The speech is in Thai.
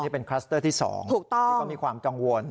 เป็นคลัสเตอร์ที่๒ที่เขามีความกังวล